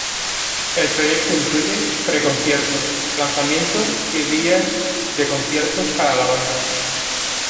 El proyecto incluye pre-conciertos, lanzamientos y días de conciertos para la banda.